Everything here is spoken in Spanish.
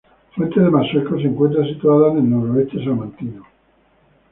Fuentes de Masueco se encuentra situado en el noroeste salmantino.